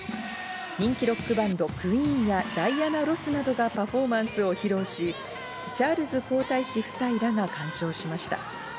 人気ロックバンド・クイーンら、ダイアナ・ロスなどがパフォーマンスを披露し、チャールズ皇太子夫妻らが観賞しました。